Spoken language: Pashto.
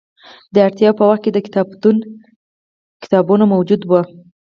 د اړتیا په وخت به د کتابتون کتابونه موجود وو.